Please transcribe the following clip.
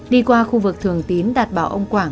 đi qua khu vực thường tín đạt bảo ông quảng